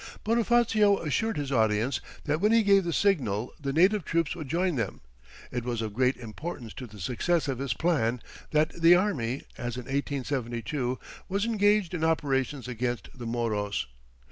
Bonifacio assured his audience that when he gave the signal the native troops would join them. It was of great importance to the success of his plan that the army, as in 1872, was engaged in operations against the Moros.